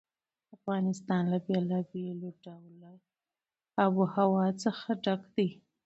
افغانستان له بېلابېلو ډوله آب وهوا څخه ډک دی.